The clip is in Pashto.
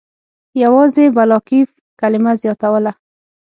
یوازې «بلاکیف» کلمه زیاتوله.